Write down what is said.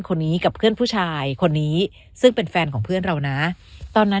กับเพื่อนผู้ชายคนนี้ซึ่งเป็นแฟนของเพื่อนเรานะตอนนั้น